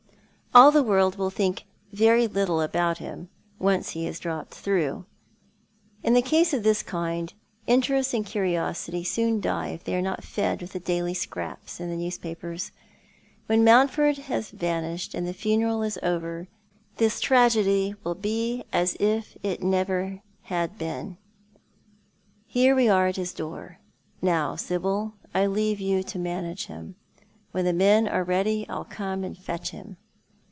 " All the world will think very little about him when once he has dropped through. In a case of this kind interest and curiosity soon die if they are not fed with daily scraps in the newspapers. When Mountford has vanished, and the funeral is over, this tragedy will be as if it had never been. Here we are at his door. Now, Sibyl, I leave you to manage him. When the men are ready I'll come and fetch him."